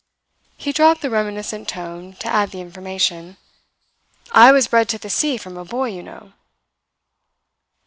He dropped the reminiscent tone to add the information, "I was bred to the sea from a boy, you know."